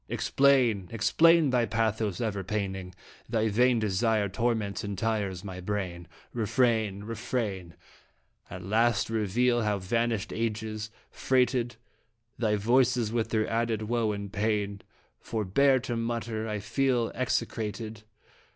Explain, explain thy pathos ever paining Thy vain desire torments and tires my brain. Refrain ! Refrain ! At last reveal how vanished ages freighted Thy voices with their added woe and pain ; Forbear to mutter I feel execrated.